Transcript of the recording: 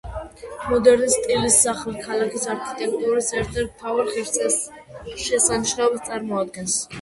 მოდერნის სტილის სახლი ქალაქის არქიტექტურის ერთ-ერთ მთავარ ღირსშესანიშნაობას წარმოადგენს.